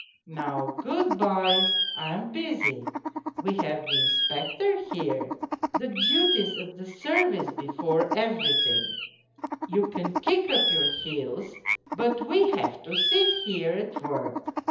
Now, good bye. I am busy. We have the Inspec tor here the duties of the service before everything; you can kick up your heels, but we have to sit here at work.